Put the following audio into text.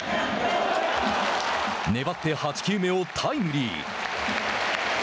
粘って８球目をタイムリー。